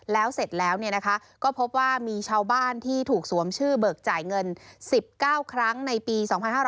แล้วเสร็จแล้วก็พบว่ามีชาวบ้านที่ถูกสวมชื่อเบิกจ่ายเงิน๑๙ครั้งในปี๒๕๕๙